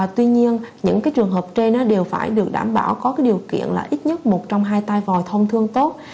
tuy nhiên những trường hợp trên đều phải được đảm bảo có điều kiện là ít nhất một trong hai tai vòi thông thương tốt